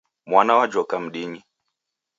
Mwana w'ajhoka mdini.